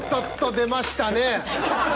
出ましたね。